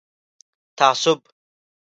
تعصب